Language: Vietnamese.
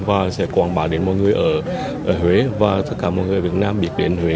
và sẽ quảng bá đến mọi người ở huế và tất cả mọi người việt nam biết đến huế